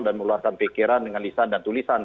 dan meluaskan pikiran dengan lisan dan tulisan